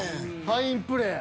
ファインプレー。